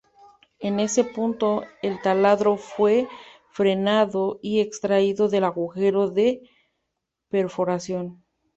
En ese punto, el taladro fue frenado y extraído del agujero de perforación.